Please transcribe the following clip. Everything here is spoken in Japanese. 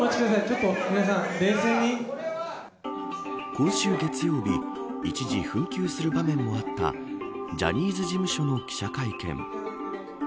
今週月曜日一時、紛糾する場面もあったジャニーズ事務所の記者会見。